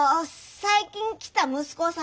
最近来た息子さんの。